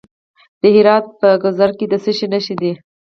د هرات په ګذره کې د څه شي نښې دي؟